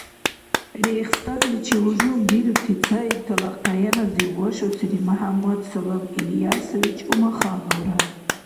Рейхстагличи гьужум бирути цаибтала къяяназив вашусири МяхӀяммад–Салам Ильясович Умахановра.